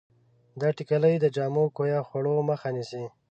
دا ټېکلې د جامو کویه خوړو مخه نیسي.